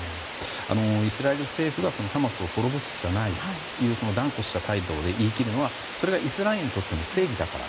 イスラエル政府がハマスを滅ぼすしかないというそのように断固とした態度で言い切るのはそれがイスラエルにとっての正義だから。